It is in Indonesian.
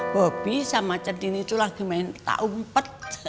bopi sama cendini tuh lagi main tak umpet